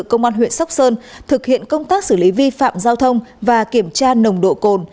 công an huyện sóc sơn thực hiện công tác xử lý vi phạm giao thông và kiểm tra nồng độ cồn